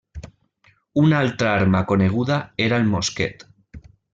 Una altra arma coneguda era el mosquet.